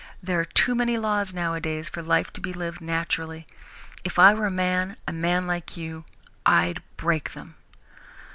There are too many laws, nowadays, for life to be lived naturally. If I were a man, a man like you, I'd break them."